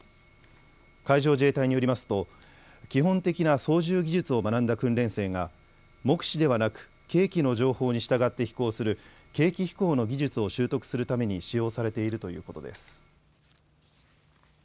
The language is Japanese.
海上自衛隊によりますと基本的な操縦技術を学んだ訓練生が目視ではなく計器の情報に従って飛行する計器飛行の技術を習得するために使用されているということです。